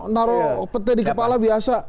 naruh petai di kepala biasa